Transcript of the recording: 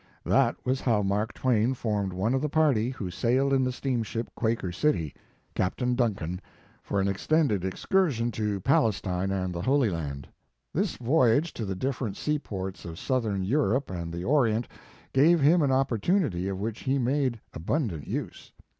That was how Mark Twain formed one of the party who sailed in the steamship " Quaker City," Captain Duncan, for an extended excursion to Palestine and the Holy Land. This voyage to the different seaports of Southern Europe and the Orient gave him an opportunity of which he made abundant use.